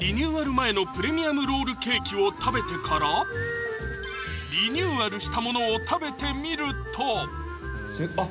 前のプレミアムロールケーキを食べてからリニューアルしたものを食べてみるとあっ！